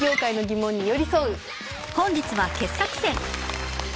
本日は傑作選